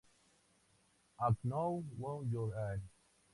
I Know Who You Are!".